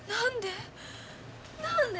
何で？